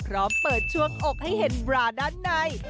พร้อมเปิดช่วงอกให้เห็นบราด้านใน